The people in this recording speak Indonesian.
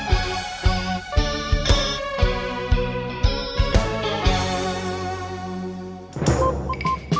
makasih udah nanya